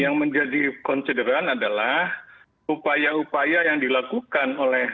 yang menjadi konsideran adalah upaya upaya yang dilakukan oleh